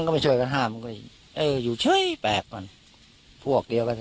ก็ไปช่วยกันห้ามมันก็เอออยู่เฉยแปลกก่อนพวกเดียวกัน